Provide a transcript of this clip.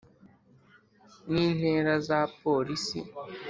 N intera za polisi